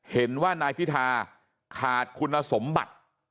เห็นว่านายพิธาขาดคุณสมบัติ